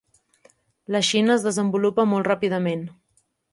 La Xina es desenvolupa molt ràpidament.